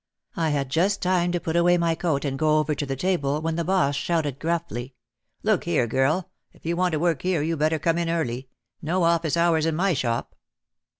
I had just time to put away my coat and go over to the table, when the boss shouted gruffly, "Look here, girl, if you want to work here you better come in early. No office hours in my shop."